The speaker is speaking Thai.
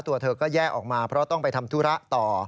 ตัวเธอก็แยกออกมาเพราะต้องไปทำธุระต่อ